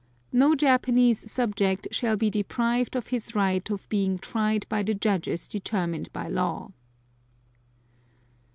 No Japanese subject shall be deprived of his right of being tried by the judges determined by law.